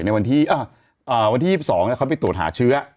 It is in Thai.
ในวันที่๒๒เขาไปตรวจหาเชื้อ